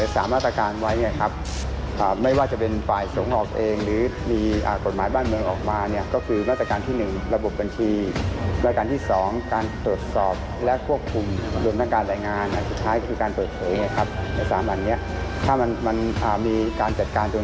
สนุนโดยเครื่องดื่มมีประโยชน์ปรุงอาหารก็อร่อย